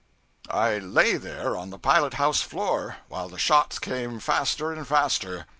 I lay there on the pilot house floor, while the shots came faster and faster.